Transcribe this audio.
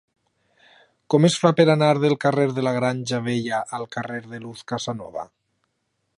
Com es fa per anar del carrer de la Granja Vella al carrer de Luz Casanova?